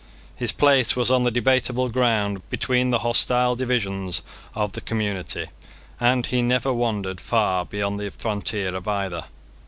His place was on the debatable ground between the hostile divisions of the community, and he never wandered far beyond the frontier of either.